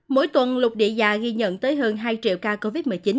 mỗi tuần lục địa già ghi nhận tới hơn hai triệu ca covid một mươi chín